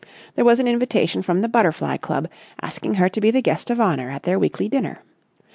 There was an invitation from the Butterfly Club, asking her to be the guest of honour at their weekly dinner.